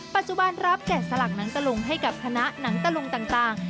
ปัจจุบันรับแกะสลักหนังตะลุงให้กับคณะหนังตะลุงต่าง